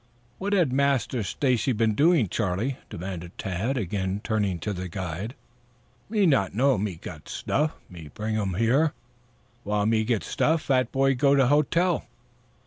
"What had Master Stacy been doing, Charlie?" demanded Tad, again turning to the guide. "Me not know. Me get stuff. Me bring um here. While me get stuff, fat boy go hotel.